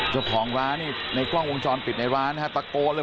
เจ้าผองร้านในกล้องวงชอนปิดในร้านตะโกนเลย